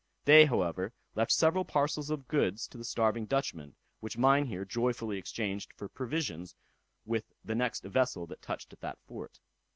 They, however, left several parcels of goods to the starving Dutchmen, which Mynheer joyfully exchanged for provisions with the next vessel that touched at that fort.